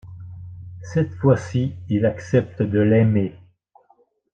Cette fois-ci, il accepte de l'aimer.